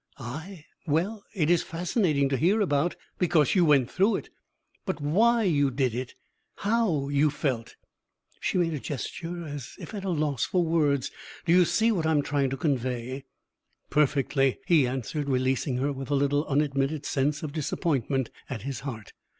I well, it is fascinating to hear about, because you went through it, but why you did it, how you felt" she made a gesture as if at a loss for words. "Do you see what I am trying to convey?" "Perfectly," he answered, releasing her with a little unadmitted sense of disappointment at his heart.